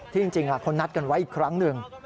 จริงเขานัดกันไว้อีกครั้งหนึ่ง